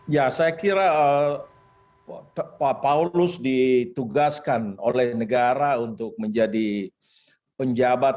ya saya kira pak paulus ditugaskan oleh negara untuk menjadi penjabat